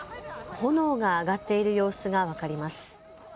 炎が上がっている様子が分かります。